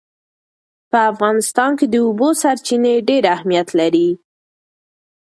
په افغانستان کې د اوبو سرچینې ډېر اهمیت لري.